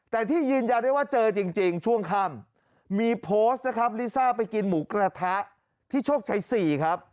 แต่ที่ยืนยันได้ว่าเจอจริงช่วงค่ำมีโพสต์นะครับลิซ่าไปกินหมูกระทะที่โชคชัย๔ครับ